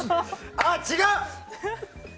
あっ、違う！